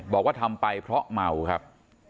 บอกว่าทำไปเพราะเมาครับ